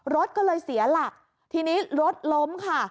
รถก็เลยเสียหลักทีนี้รถล้มค่ะ